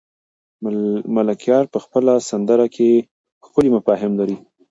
ملکیار په خپله سندره کې ښکلي مفاهیم لري.